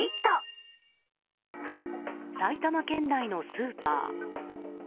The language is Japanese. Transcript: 埼玉県内のスーパー。